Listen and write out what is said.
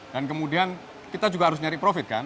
dan kemudian kita juga harus mencari profit